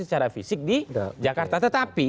secara fisik di jakarta tetapi